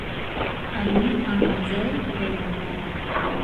عهلی ئاموزای پێغهمبەره